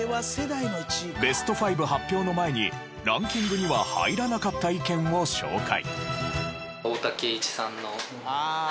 ベスト５発表の前にランキングには入らなかった意見を紹介。